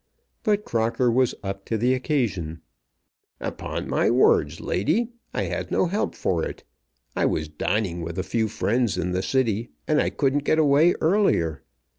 But Crocker was up to the occasion. "Upon my word, ladies, I had no help for it. I was dining with a few friends in the City, and I couldn't get away earlier.